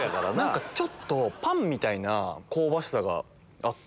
ちょっとパンみたいな香ばしさがあって。